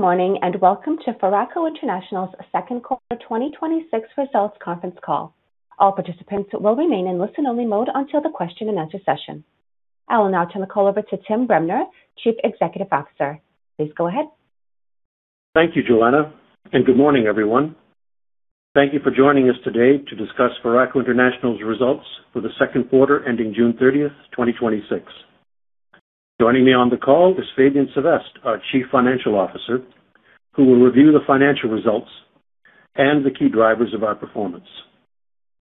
Morning, welcome to Foraco International's second quarter 2026 results conference call. All participants will remain in listen-only mode until the question and answer session. I will now turn the call over to Tim Bremner, Chief Executive Officer. Please go ahead. Thank you, Joanna. Good morning, everyone. Thank you for joining us today to discuss Foraco International's results for the second quarter ending June 30th, 2026. Joining me on the call is Fabien Sevestre, our Chief Financial Officer, who will review the financial results and the key drivers of our performance.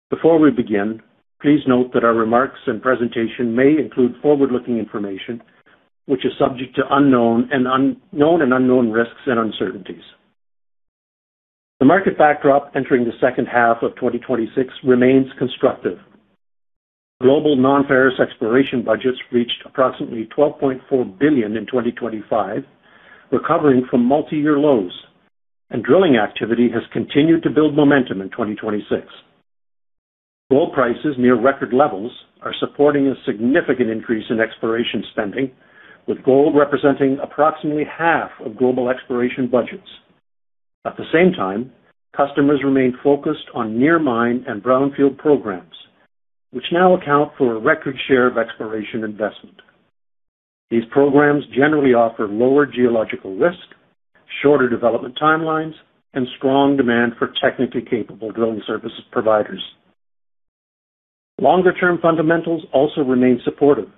Before we begin, please note that our remarks and presentation may include forward-looking information, which is subject to known and unknown risks and uncertainties. The market backdrop entering the second half of 2026 remains constructive. Global non-ferrous exploration budgets reached approximately $12.4 billion in 2025, recovering from multi-year lows. Drilling activity has continued to build momentum in 2026. Gold prices near record levels are supporting a significant increase in exploration spending, with gold representing approximately half of global exploration budgets. At the same time, customers remain focused on near mine and brownfield programs, which now account for a record share of exploration investment. These programs generally offer lower geological risk, shorter development timelines, and strong demand for technically capable drilling services providers. Longer-term fundamentals also remain supportive.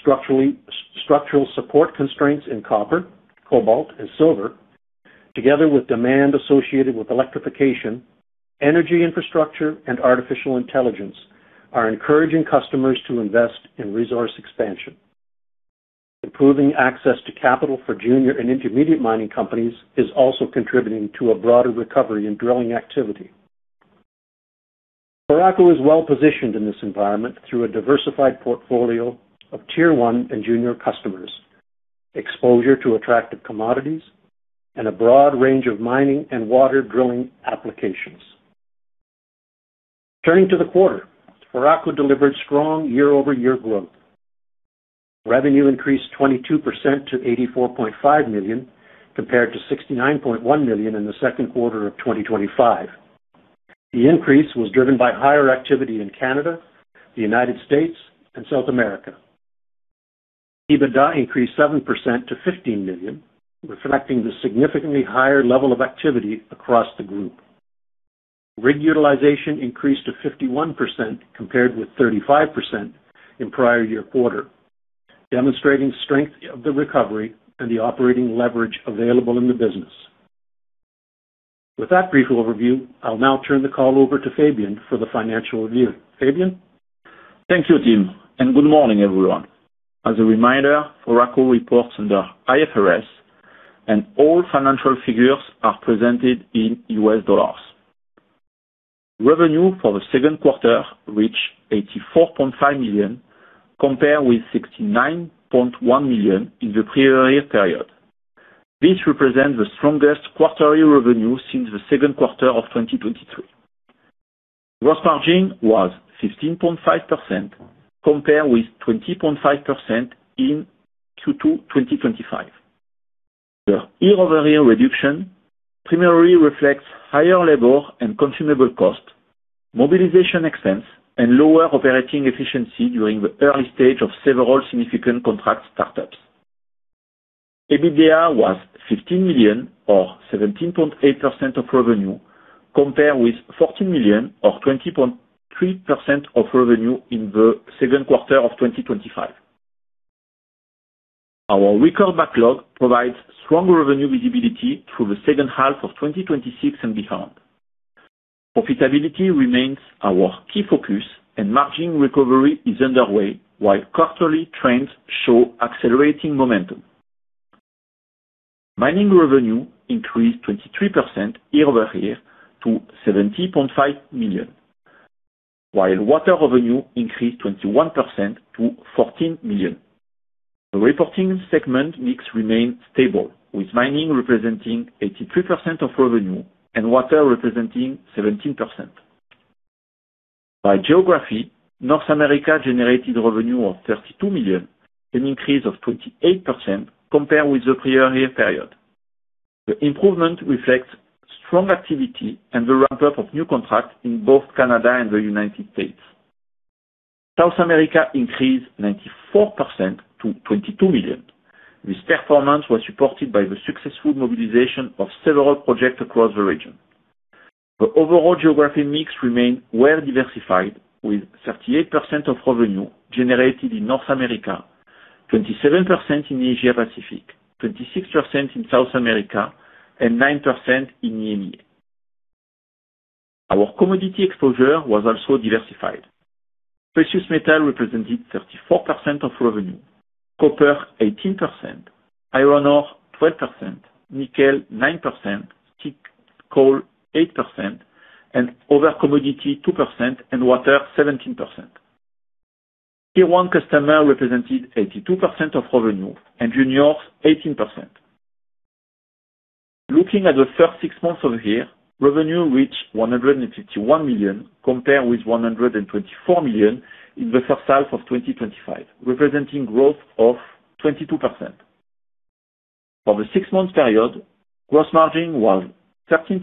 Structural support constraints in copper, cobalt, and silver, together with demand associated with electrification, energy infrastructure, and artificial intelligence, are encouraging customers to invest in resource expansion. Improving access to capital for junior and intermediate mining companies is also contributing to a broader recovery in drilling activity. Foraco is well-positioned in this environment through a diversified portfolio of tier 1 and junior customers, exposure to attractive commodities, and a broad range of mining and water drilling applications. Turning to the quarter, Foraco delivered strong year-over-year growth. Revenue increased 22% to $84.5 million, compared to $69.1 million in the second quarter of 2025. The increase was driven by higher activity in Canada, the U.S., and South America. EBITDA increased 7% to $15 million, reflecting the significantly higher level of activity across the group. Rig utilization increased to 51%, compared with 35% in prior year quarter, demonstrating strength of the recovery and the operating leverage available in the business. With that brief overview, I'll now turn the call over to Fabien for the financial review. Fabien? Thank you, Tim, and good morning, everyone. As a reminder, Foraco reports under IFRS, and all financial figures are presented in US dollars. Revenue for the second quarter reached $84.5 million, compared with $69.1 million in the prior year period. This represents the strongest quarterly revenue since the second quarter of 2023. Gross margin was 15.5%, compared with 20.5% in Q2 2025. The year-over-year reduction primarily reflects higher labor and consumable cost, mobilization expense, and lower operating efficiency during the early stage of several significant contract startups. EBITDA was $15 million or 17.8% of revenue, compared with $14 million or 20.3% of revenue in the second quarter of 2025. Our record backlog provides strong revenue visibility through the second half of 2026 and beyond. Profitability remains our key focus and margin recovery is underway while quarterly trends show accelerating momentum. Mining revenue increased 23% year-over-year to $70.5 million, while water revenue increased 21% to $14 million. The reporting segment mix remained stable, with mining representing 83% of revenue and water representing 17%. By geography, North America generated revenue of $32 million, an increase of 28% compared with the prior year period. The improvement reflects strong activity and the ramp-up of new contracts in both Canada and the United States. South America increased 94% to $22 million. This performance was supported by the successful mobilization of several projects across the region. The overall geography mix remained well-diversified, with 38% of revenue generated in North America, 27% in Asia-Pacific, 26% in South America, and 9% in EMEA. Our commodity exposure was also diversified. Precious metal represented 34% of revenue, copper 18%, iron ore 12%, nickel 9%, coke coal 8%, and other commodity 2%, and water 17%. Tier 1 customer represented 82% of revenue and juniors 18%. Looking at the first six months of the year, revenue reached $151 million, compared with $124 million in the first half of 2025, representing growth of 22%. For the six-month period, gross margin was 13%,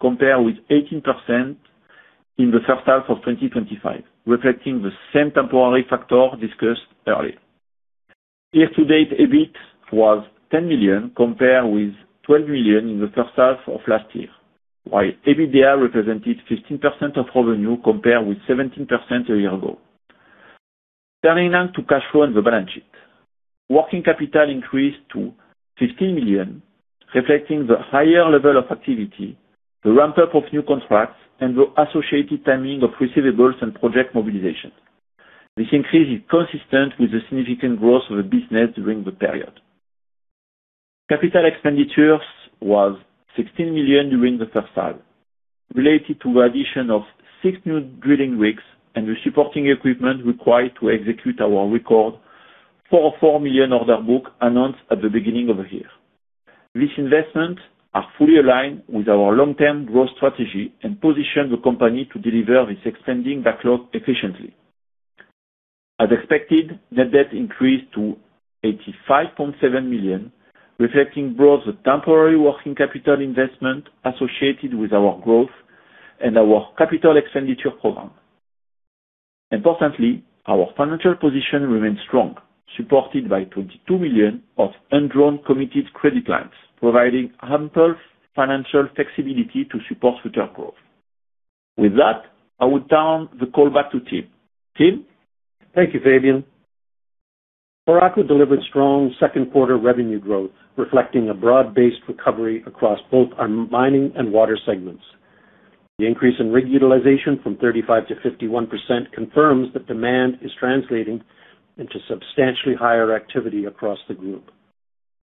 compared with 18% in the first half of 2025, reflecting the same temporary factor discussed earlier. Year-to-date, EBIT was $10 million, compared with $12 million in the first half of last year, while EBITDA represented 15% of revenue, compared with 17% a year ago. Turning now to cash flow and the balance sheet. Working capital increased to $15 million, reflecting the higher level of activity, the ramp-up of new contracts, and the associated timing of receivables and project mobilization. This increase is consistent with the significant growth of the business during the period. Capital expenditures was $16 million during the first half, related to the addition of six new drilling rigs and the supporting equipment required to execute our record $404 million order book announced at the beginning of the year. These investments are fully aligned with our long-term growth strategy and position the company to deliver this expanding backlog efficiently. As expected, net debt increased to $85.7 million, reflecting both the temporary working capital investment associated with our growth and our capital expenditure program. Importantly, our financial position remains strong, supported by $22 million of undrawn committed credit lines, providing ample financial flexibility to support future growth. With that, I will turn the call back to Tim. Tim? Thank you, Fabien. Foraco delivered strong second quarter revenue growth, reflecting a broad-based recovery across both our mining and water segments. The increase in rig utilization from 35% to 51% confirms that demand is translating into substantially higher activity across the group.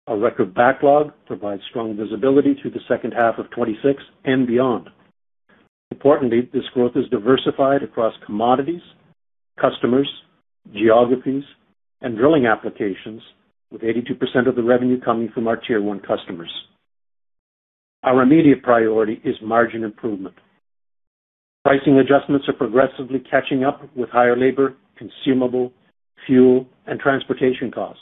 Our record backlog provides strong visibility through the second half of 2026 and beyond. Importantly, this growth is diversified across commodities, customers, geographies, and drilling applications, with 82% of the revenue coming from our tier 1 customers. Our immediate priority is margin improvement. Pricing adjustments are progressively catching up with higher labor, consumable, fuel, and transportation costs.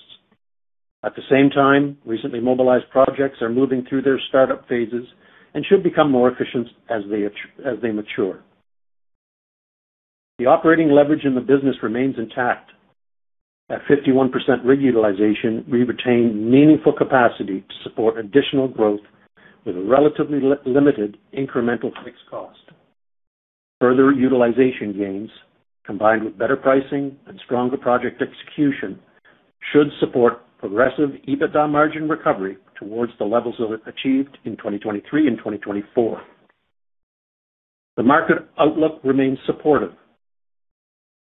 At the same time, recently mobilized projects are moving through their startup phases and should become more efficient as they mature. The operating leverage in the business remains intact. At 51% rig utilization, we retain meaningful capacity to support additional growth with a relatively limited incremental fixed cost. Further utilization gains, combined with better pricing and stronger project execution, should support progressive EBITDA margin recovery towards the levels achieved in 2023 and 2024. The market outlook remains supportive.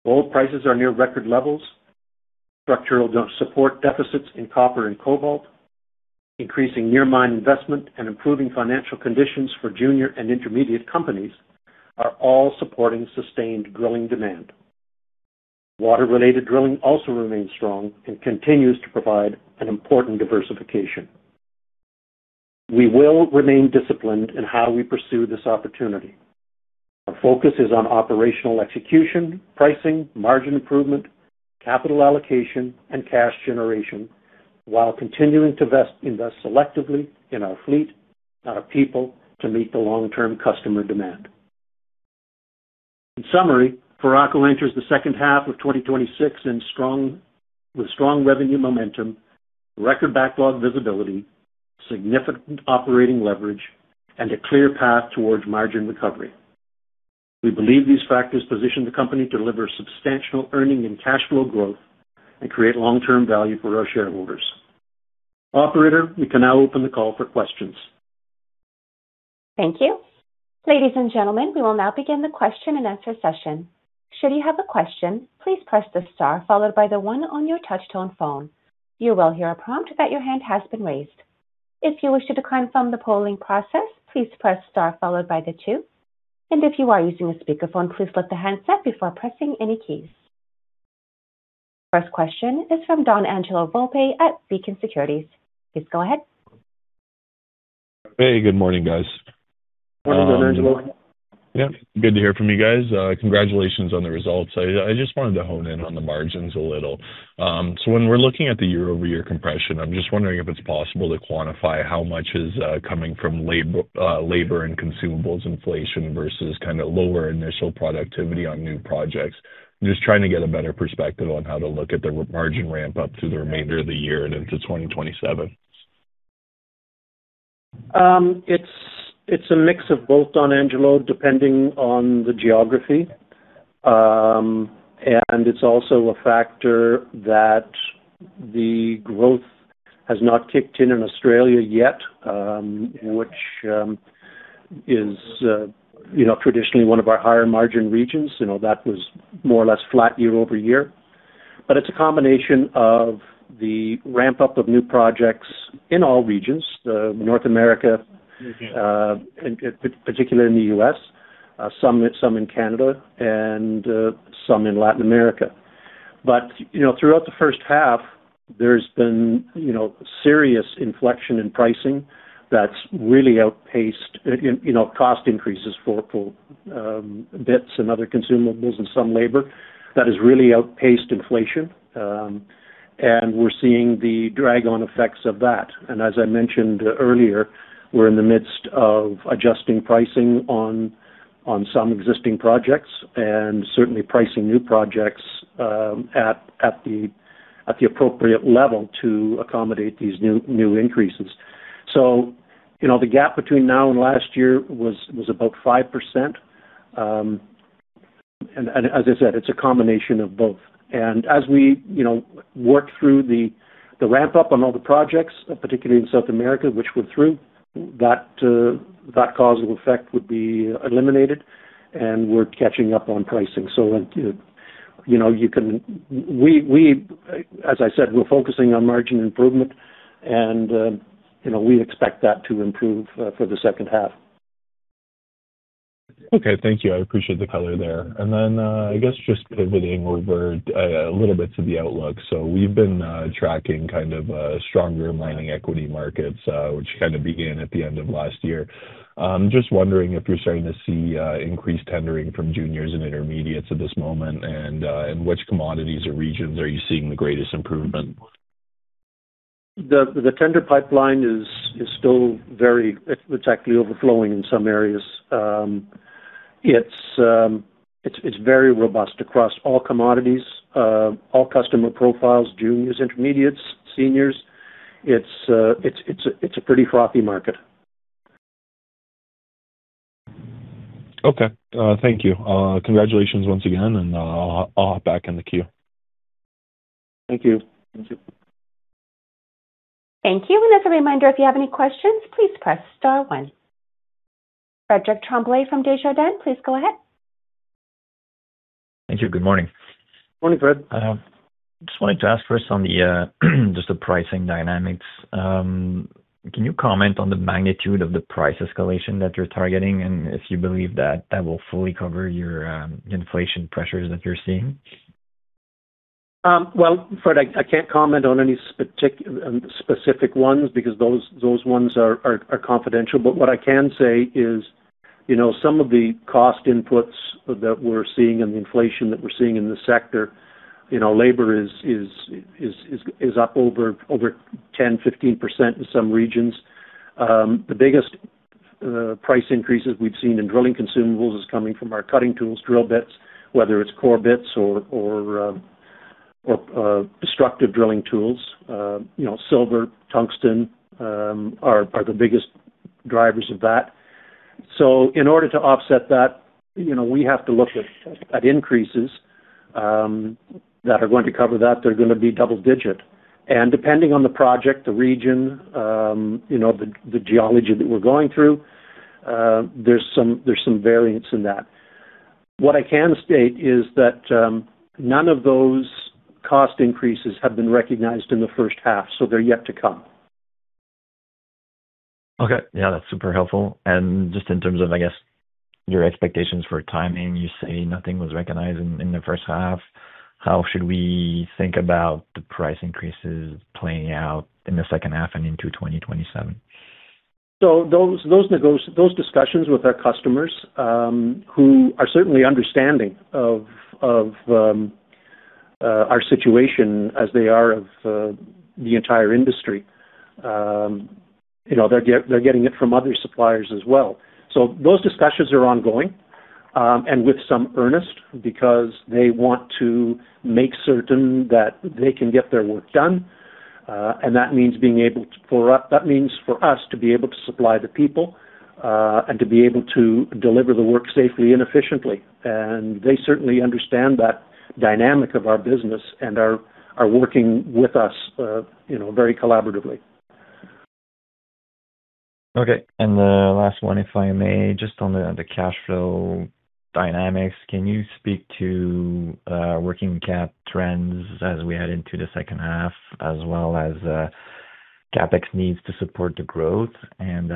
Oil prices are near record levels. Structural support deficits in copper and cobalt, increasing near-mine investment, and improving financial conditions for junior and intermediate companies are all supporting sustained drilling demand. Water-related drilling also remains strong and continues to provide an important diversification. We will remain disciplined in how we pursue this opportunity. Our focus is on operational execution, pricing, margin improvement, capital allocation, and cash generation while continuing to invest selectively in our fleet and our people to meet the long-term customer demand. In summary, Foraco enters the second half of 2026 with strong revenue momentum, record backlog visibility, significant operating leverage, and a clear path towards margin recovery. We believe these factors position the company to deliver substantial earning and cash flow growth and create long-term value for our shareholders. Operator, you can now open the call for questions. Thank you. Ladies and gentlemen, we will now begin the question-and-answer session. Should you have a question, please press the star followed by the one on your touch-tone phone. You will hear a prompt that your hand has been raised. If you wish to decline from the polling process, please press star followed by the two. If you are using a speakerphone, please lift the handset before pressing any keys. First question is from [Donangelo Volpe] at Beacon Securities. Please go ahead. Hey, good morning, guys. Morning, [Donangelo]. Yeah, good to hear from you guys. Congratulations on the results. I just wanted to hone in on the margins a little. When we're looking at the year-over-year compression, I'm just wondering if it's possible to quantify how much is coming from labor and consumables inflation versus kind of lower initial productivity on new projects. I'm just trying to get a better perspective on how to look at the margin ramp-up through the remainder of the year and into 2027. It's a mix of both, [Donangelo], depending on the geography. It's also a factor that the growth has not kicked in in Australia yet, which is traditionally one of our higher margin regions. That was more or less flat year-over-year. It's a combination of the ramp-up of new projects in all regions, North America, particularly in the U.S., some in Canada, and some in Latin America. Throughout the first half, there's been serious inflection in pricing that's really outpaced cost increases for bits and other consumables and some labor. That has really outpaced inflation. We're seeing the drag on effects of that. As I mentioned earlier, we're in the midst of adjusting pricing on some existing projects and certainly pricing new projects at the appropriate level to accommodate these new increases. The gap between now and last year was about 5%. As I said, it's a combination of both. As we work through the ramp-up on all the projects, particularly in South America, which we're through, that cause and effect would be eliminated, and we're catching up on pricing. As I said, we're focusing on margin improvement, and we expect that to improve for the second half. Okay, thank you. I appreciate the color there. I guess just pivoting over a little bit to the outlook. We've been tracking kind of stronger mining equity markets, which kind of began at the end of last year. I'm just wondering if you're starting to see increased tendering from juniors and intermediates at this moment, and which commodities or regions are you seeing the greatest improvement? The tender pipeline is still actually overflowing in some areas. It's very robust across all commodities, all customer profiles, juniors, intermediates, seniors. It's a pretty frothy market. Okay. Thank you. Congratulations once again, and I'll hop back in the queue. Thank you. Thank you. As a reminder, if you have any questions, please press star one. Frederick Tremblay from Desjardins, please go ahead. Thank you. Good morning. Morning, Fred. Just wanted to ask first on the pricing dynamics. Can you comment on the magnitude of the price escalation that you're targeting and if you believe that that will fully cover your inflation pressures that you're seeing? Well, Fred, I can't comment on any specific ones because those ones are confidential. What I can say is, some of the cost inputs that we're seeing and the inflation that we're seeing in the sector, labor is up over 10%, 15% in some regions. The biggest price increases we've seen in drilling consumables is coming from our cutting tools, drill bits, whether it's core bits or destructive drilling tools. Silver, tungsten are the biggest drivers of that. In order to offset that, we have to look at increases that are going to cover that. They're going to be double digit. Depending on the project, the region, the geology that we're going through, there's some variance in that. What I can state is that none of those cost increases have been recognized in the first half, so they're yet to come. Okay. Yeah, that's super helpful. Just in terms of, I guess, your expectations for timing, you say nothing was recognized in the first half. How should we think about the price increases playing out in the second half and into 2027? Those discussions with our customers, who are certainly understanding of our situation as they are of the entire industry. They're getting it from other suppliers as well. Those discussions are ongoing, and with some earnest, because they want to make certain that they can get their work done. That means for us to be able to supply the people, and to be able to deliver the work safely and efficiently. They certainly understand that dynamic of our business and are working with us very collaboratively. Okay. The last one, if I may, just on the cash flow dynamics. Can you speak to working cap trends as we head into the second half, as well as CapEx needs to support the growth and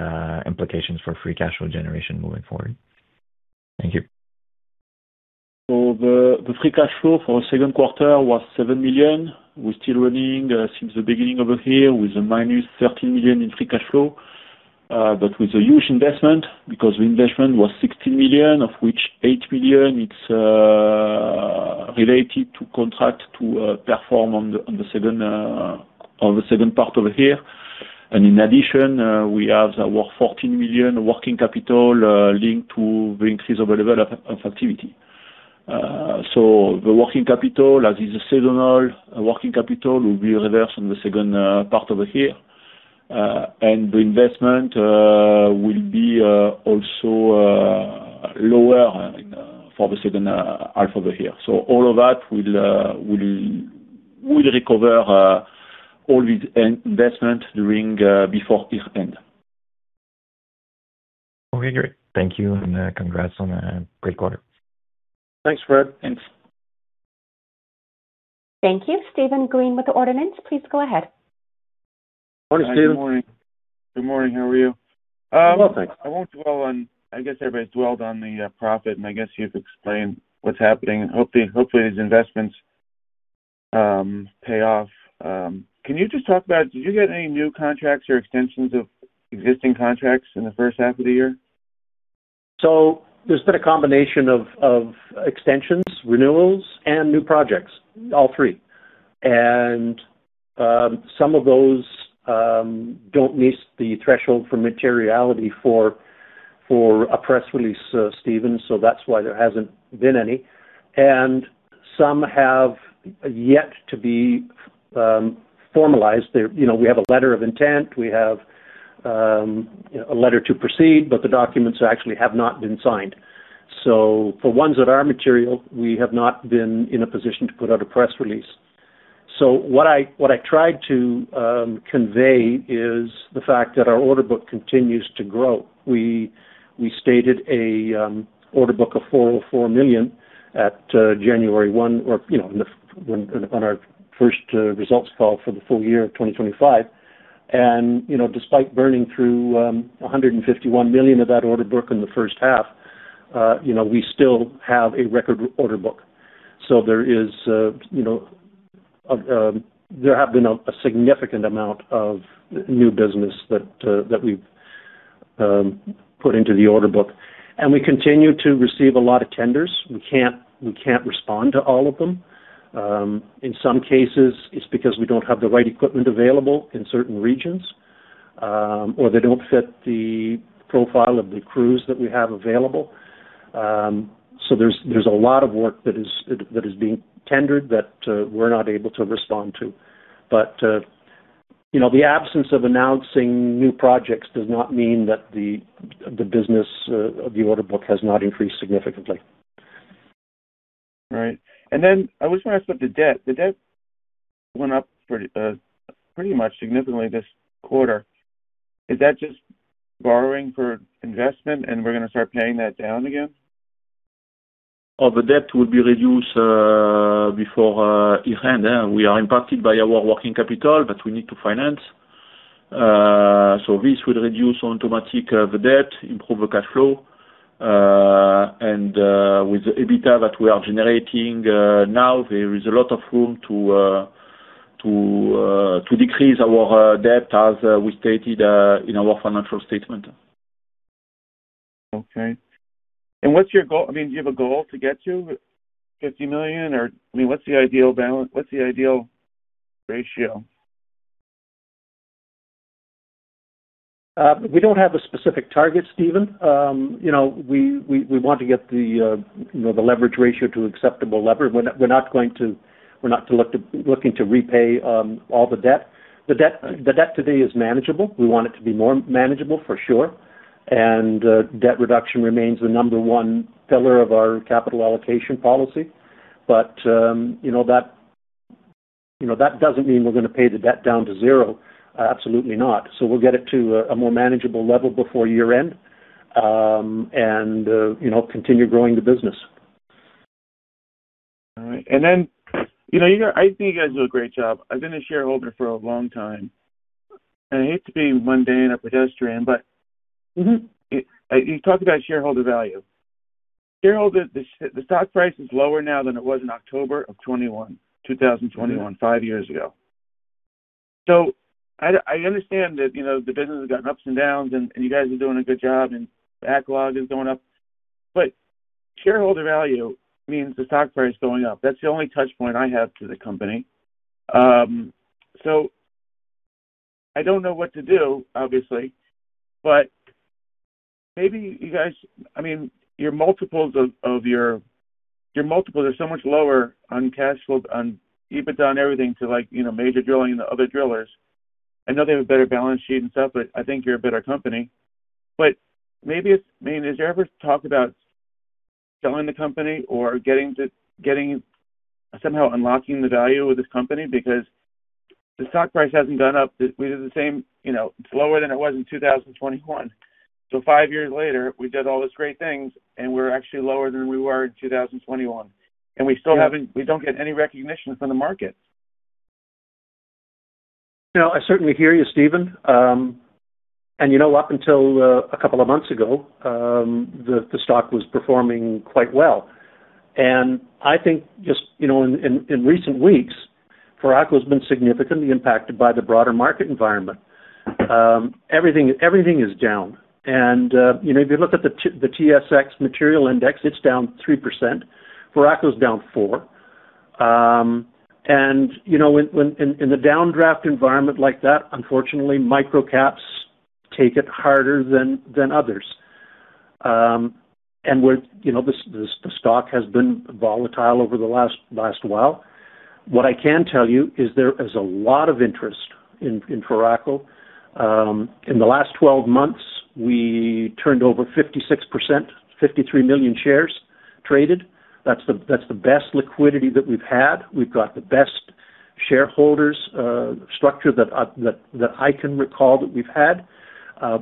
implications for free cash flow generation moving forward? Thank you. The free cash flow for second quarter was $7 million. We're still running since the beginning of the year with a -$13 million in free cash flow, with a huge investment, because the investment was $16 million, of which $8 million it is related to contract to perform on the second part of the year. In addition, we have our $14 million working capital linked to the increase of the level of activity. The working capital, as is seasonal, working capital will be reversed in the second part of the year. The investment will be also lower for the second half of the year. All of that will recover all the investment during, before year end. Okay, great. Thank you, and congrats on a great quarter. Thanks, Fred. Thank you. Steven Green with Ordinance, please go ahead. Morning, Steven. Good morning. How are you? Well, thanks. I won't dwell on, I guess everybody's dwelled on the profit, and I guess you've explained what's happening. Hopefully, these investments pay off. Can you just talk about, did you get any new contracts or extensions of existing contracts in the first half of the year? There's been a combination of extensions, renewals, and new projects, all three. Some of those don't meet the threshold for materiality for a press release, Steven, so that's why there hasn't been any. Some have yet to be formalized. We have a letter of intent. We have a letter to proceed, but the documents actually have not been signed. For ones that are material, we have not been in a position to put out a press release. What I tried to convey is the fact that our order book continues to grow. We stated an order book of $404 million at January 1 or on our first results call for the full year of 2025. Despite burning through $151 million of that order book in the first half, we still have a record order book. There have been a significant amount of new business that we've put into the order book. We continue to receive a lot of tenders. We can't respond to all of them. In some cases, it's because we don't have the right equipment available in certain regions, or they don't fit the profile of the crews that we have available. There's a lot of work that is being tendered that we're not able to respond to. The absence of announcing new projects does not mean that the business of the order book has not increased significantly. Right. I was going to ask about the debt. The debt went up pretty much significantly this quarter. Is that just borrowing for investment and we're going to start paying that down again? Of the debt will be reduced before year-end. We are impacted by our working capital that we need to finance. This would reduce automatic the debt, improve the cash flow. With the EBITDA that we are generating now, there is a lot of room to decrease our debt as we stated in our financial statement. Okay. What's your goal? Do you have a goal to get to $50 million or what's the ideal balance? What's the ideal ratio? We don't have a specific target, Steven. We want to get the leverage ratio to acceptable level. We're not looking to repay all the debt. The debt today is manageable. We want it to be more manageable, for sure. Debt reduction remains the number one pillar of our capital allocation policy. That doesn't mean we're going to pay the debt down to zero. Absolutely not. We'll get it to a more manageable level before year-end, and continue growing the business. All right. I think you guys do a great job. I've been a shareholder for a long time, and I hate to be mundane or pedestrian. You talked about shareholder value. The stock price is lower now than it was in October of 2021, five years ago. I understand that the business has gotten ups and downs and you guys are doing a good job and the backlog is going up. Shareholder value means the stock price is going up. That's the only touch point I have to the company. I don't know what to do, obviously, but maybe you guys, your multiples are so much lower on cash flow on EBITDA and everything to Major Drilling and the other drillers. I know they have a better balance sheet and stuff, but I think you're a better company. Maybe, is there ever talk about selling the company or somehow unlocking the value of this company? Because the stock price hasn't gone up. It's lower than it was in 2021. Five years later, we did all these great things, and we're actually lower than we were in 2021. We don't get any recognition from the market. I certainly hear you, Steven. Up until a couple of months ago, the stock was performing quite well. I think just in recent weeks, Foraco has been significantly impacted by the broader market environment. Everything is down. If you look at the TSX Material Index, it's down 3%. Foraco's down 4%. In the downdraft environment like that, unfortunately, micro caps take it harder than others. The stock has been volatile over the last while. What I can tell you is there is a lot of interest in Foraco. In the last 12 months, we turned over 56%, 53 million shares traded. That's the best liquidity that we've had. We've got the best shareholders structure that I can recall that we've had.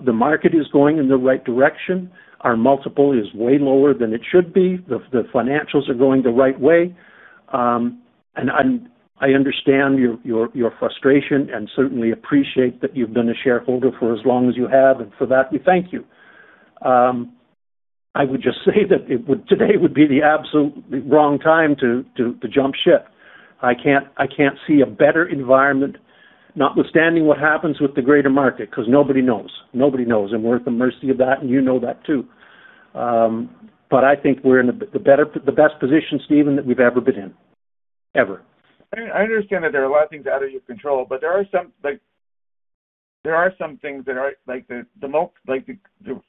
The market is going in the right direction. Our multiple is way lower than it should be. The financials are going the right way. I understand your frustration and certainly appreciate that you've been a shareholder for as long as you have, and for that we thank you. I would just say that today would be the absolutely wrong time to jump ship. I can't see a better environment, notwithstanding what happens with the greater market, because nobody knows. Nobody knows, and we're at the mercy of that, and you know that too. I think we're in the best position, Steven, that we've ever been in. Ever. I understand that there are a lot of things out of your control, there are some things that are like, the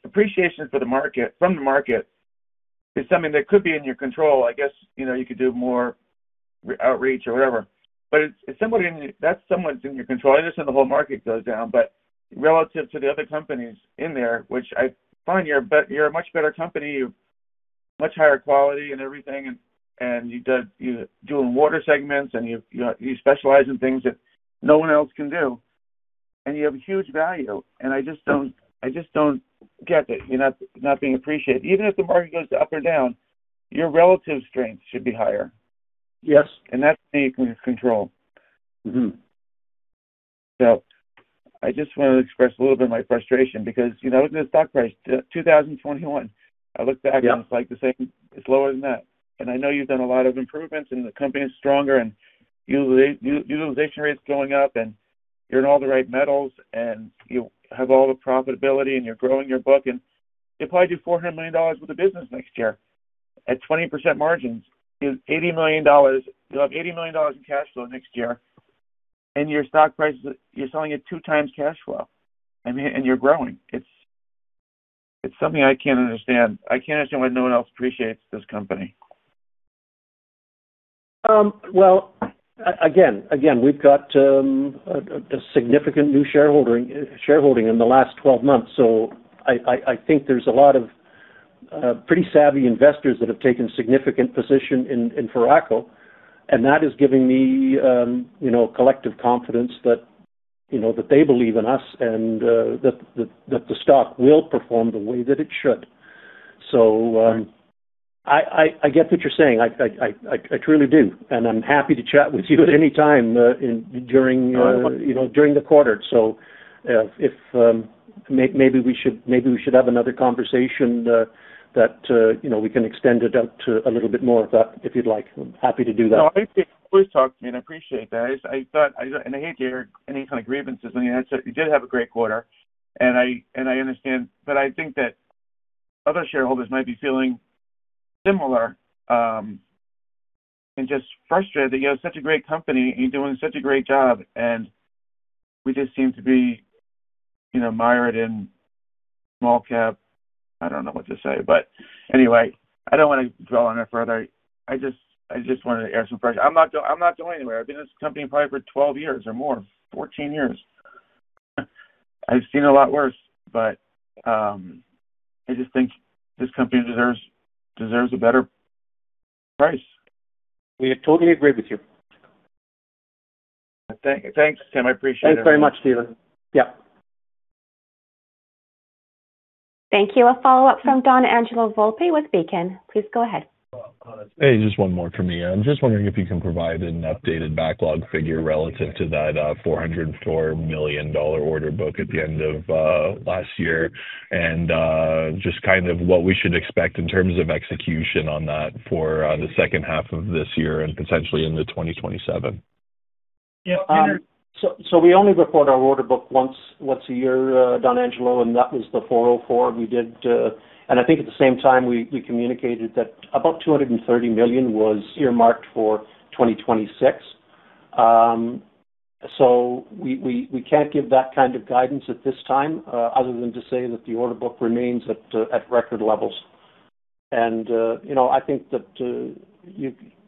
appreciation from the market is something that could be in your control. I guess you could do more outreach or whatever. That's somewhat in your control, unless if the whole market goes down. Relative to the other companies in there, which I find you're a much better company, you've much higher quality and everything, and you're doing water segments and you specialize in things that no one else can do, and you have huge value, and I just don't get that you're not being appreciated. Even if the market goes up or down, your relative strength should be higher. Yes. That's something you can control. I just want to express a little bit of my frustration because, looking at the stock price, 2021, I look back. Yeah. It's like the same. It's lower than that. I know you've done a lot of improvements and the company is stronger and utilization rate's going up and you're in all the right metals and you have all the profitability and you're growing your book, and you'll probably do $400 million with the business next year at 20% margins. You'll have $80 million in cash flow next year, your stock price is, you're selling at two times cash flow. I mean, you're growing. It's something I can't understand. I can't understand why no one else appreciates this company. Again, we've got a significant new shareholding in the last 12 months. I think there's a lot of pretty savvy investors that have taken significant position in Foraco, and that is giving me collective confidence that they believe in us and that the stock will perform the way that it should. I get what you're saying. I truly do. I'm happy to chat with you at any time during the quarter. Maybe we should have another conversation that we can extend it out to a little bit more of that, if you'd like. I'm happy to do that. I appreciate you always talk to me, and I appreciate that. I hate to air any kind of grievances. You did have a great quarter, and I understand, but I think that other shareholders might be feeling similar, just frustrated that you have such a great company and you're doing such a great job, and we just seem to be mired in small cap I don't know what to say. Anyway, I don't want to dwell on it further. I just wanted to air some frustration. I'm not going anywhere. I've been with this company probably for 12 years or more, 14 years. I've seen a lot worse, I just think this company deserves a better price. We totally agree with you. Thanks, Tim. I appreciate it. Thanks very much, Steven. Yeah. Thank you. A follow-up from [Donangelo Volpe] with Beacon. Please go ahead. Hey, just one more from me. I'm just wondering if you can provide an updated backlog figure relative to that $404 million order book at the end of last year and just kind of what we should expect in terms of execution on that for the second half of this year and potentially into 2027. Yeah. We only report our order book once a year, Don, and that was the $404 we did. I think at the same time, we communicated that about $230 million was earmarked for 2026. We can't give that kind of guidance at this time, other than to say that the order book remains at record levels. I think that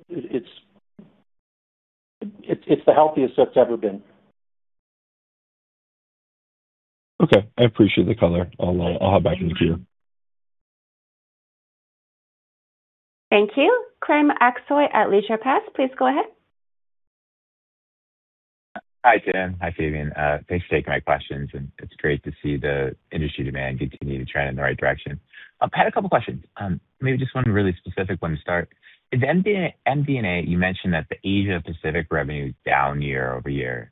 it's the healthiest it's ever been. Okay. I appreciate the color. I'll have back to the queue. Thank you. Kerem Aksoy at Rota Portföy, please go ahead. Hi, Tim. Hi, Steven. Thanks for taking my questions, and it's great to see the industry demand continue to trend in the right direction. I had a couple questions. Maybe just one really specific one to start. In the MD&A, you mentioned that the Asia-Pacific revenue is down year-over-year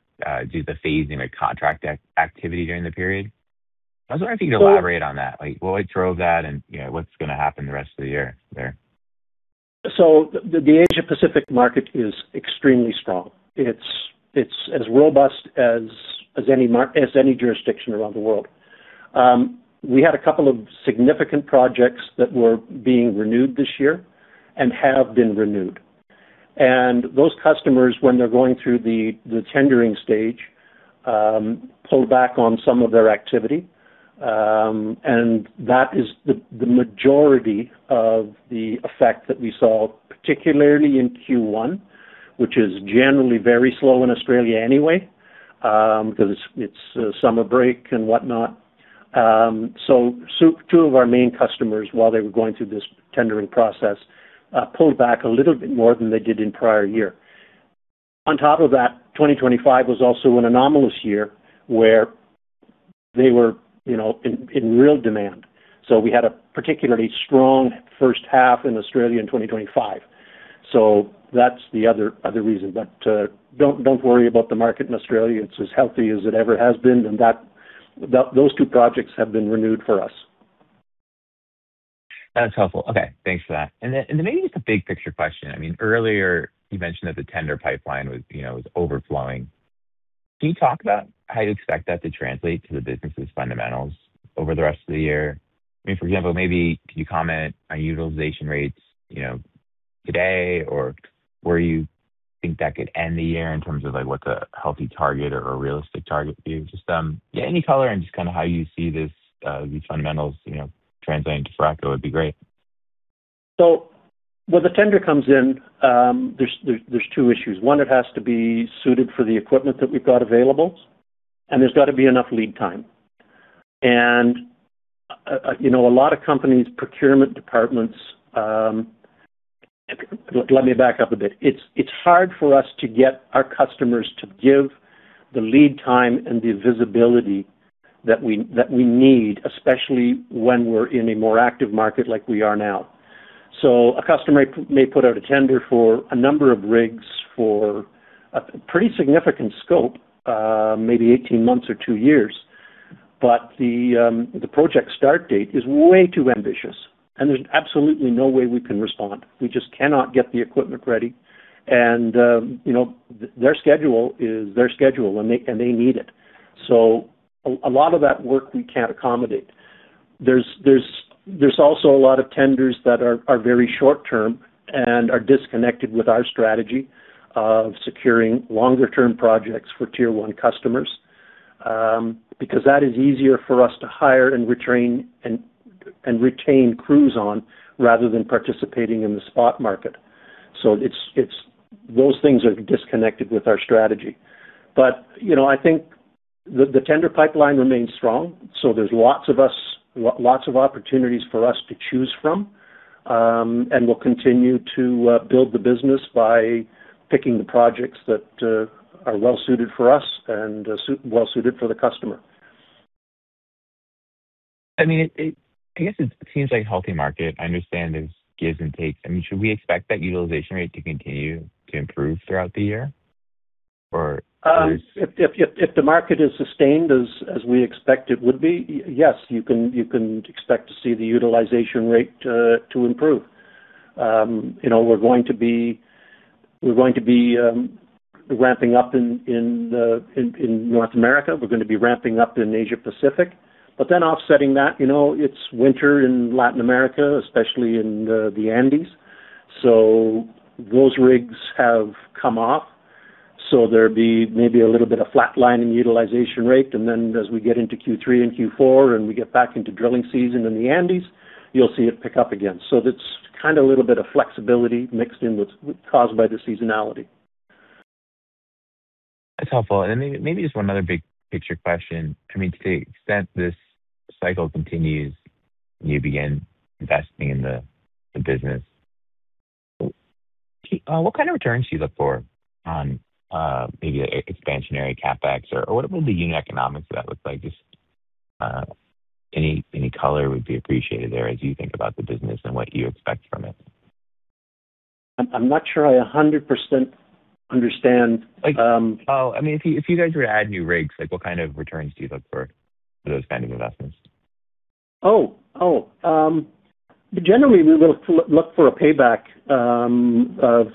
due to the phasing of contract activity during the period. I was wondering if you could elaborate on that. Like, what drove that and what's going to happen the rest of the year there? The Asia-Pacific market is extremely strong. It's as robust as any jurisdiction around the world. We had a couple of significant projects that were being renewed this year and have been renewed. Those customers, when they're going through the tendering stage, pull back on some of their activity. That is the majority of the effect that we saw, particularly in Q1, which is generally very slow in Australia anyway, because it's summer break and whatnot. Two of our main customers, while they were going through this tendering process, pulled back a little bit more than they did in prior year. On top of that, 2025 was also an anomalous year where they were in real demand. We had a particularly strong first half in Australia in 2025. That's the other reason, but don't worry about the market in Australia. It's as healthy as it ever has been, and those two projects have been renewed for us. That's helpful. Okay, thanks for that. Maybe just a big picture question. Earlier you mentioned that the tender pipeline was overflowing. Can you talk about how you expect that to translate to the business' fundamentals over the rest of the year? For example, maybe could you comment on utilization rates today or where you think that could end the year in terms of what the healthy target or realistic target would be? Just any color on just how you see these fundamentals translating to Foraco would be great. Where the tender comes in, there's two issues. One, it has to be suited for the equipment that we've got available, and there's got to be enough lead time. A lot of companies' procurement departments Let me back up a bit. It's hard for us to get our customers to give the lead time and the visibility that we need, especially when we're in a more active market like we are now. A customer may put out a tender for a number of rigs for a pretty significant scope, maybe 18 months or two years, but the project start date is way too ambitious, and there's absolutely no way we can respond. We just cannot get the equipment ready, and their schedule is their schedule, and they need it. A lot of that work we can't accommodate. There's also a lot of tenders that are very short-term and are disconnected with our strategy of securing longer-term projects for tier 1 customers because that is easier for us to hire and retain crews on rather than participating in the spot market. Those things are disconnected with our strategy. I think the tender pipeline remains strong. There's lots of opportunities for us to choose from, and we'll continue to build the business by picking the projects that are well-suited for us and well-suited for the customer. I guess it seems like a healthy market. I understand there's gives and takes. Should we expect that utilization rate to continue to improve throughout the year? Or there's. If the market is sustained as we expect it would be, yes, you can expect to see the utilization rate to improve. We're going to be ramping up in North America. We're going to be ramping up in Asia-Pacific. Offsetting that, it's winter in Latin America, especially in the Andes. Those rigs have come off. There'd be maybe a little bit of flatlining utilization rate. As we get into Q3 and Q4 and we get back into drilling season in the Andes, you'll see it pick up again. That's kind of a little bit of flexibility mixed in with, caused by the seasonality. That's helpful. Maybe just one other big picture question. To the extent this cycle continues and you begin investing in the business, what kind of returns do you look for on maybe expansionary CapEx? What will the unit economics of that look like? Just any color would be appreciated there as you think about the business and what you expect from it. I'm not sure I 100% understand. Oh, if you guys were to add new rigs, what kind of returns do you look for for those kind of investments? Oh. Generally, we look for a payback of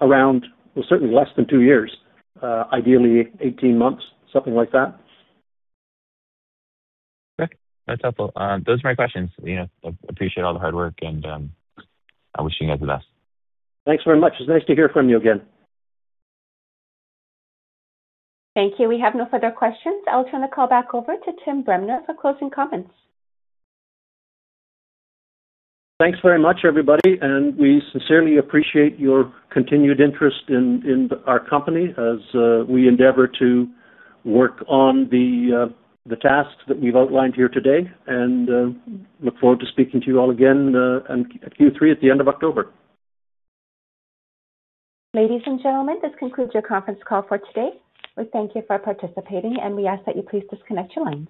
around, well, certainly less than two years. Ideally, 18 months, something like that. Okay. That's helpful. Those are my questions. Appreciate all the hard work, and I wish you guys the best. Thanks very much. It's nice to hear from you again. Thank you. We have no further questions. I'll turn the call back over to Tim Bremner for closing comments. Thanks very much, everybody, and we sincerely appreciate your continued interest in our company as we endeavor to work on the tasks that we've outlined here today, and look forward to speaking to you all again in Q3 at the end of October. Ladies and gentlemen, this concludes your conference call for today. We thank you for participating, and we ask that you please disconnect your lines.